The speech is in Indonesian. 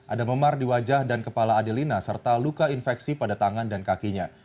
ada memar di wajah dan kepala adelina serta luka infeksi pada tangan dan kakinya